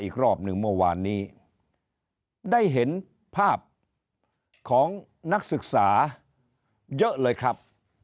อีกรอบหนึ่งเมื่อวานนี้ได้เห็นภาพของนักศึกษาเยอะเลยครับ